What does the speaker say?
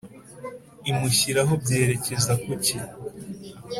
imushyiraho byerekeza ku ki